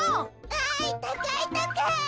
わいたかいたかい。